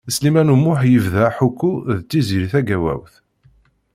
Sliman U Muḥ yebda aḥukku d Tiziri Tagawawt.